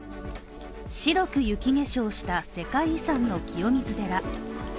白く雪化粧をした世界遺産の清水寺